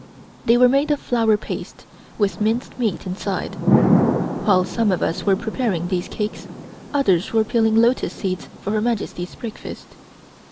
They were made of flour paste, with minced meat inside. While some of us were preparing these cakes, others were peeling lotus seeds for Her Majesty's breakfast.